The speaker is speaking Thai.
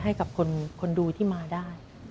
ให้กับคนดูที่มาได้